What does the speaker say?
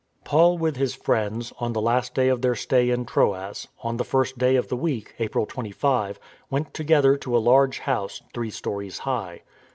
Paul with his friends, on the last day of their stay in Troas, on the first day of the week, April 25, went together to a large house, three stories high.